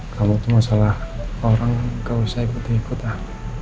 kamu tuh masalah orang gak usah ikut ikut ah